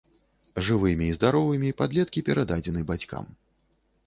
Жывымі і здаровымі падлеткі перададзены бацькам.